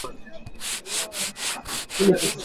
Mineshana nabo nju ya ile mambo ya nkuni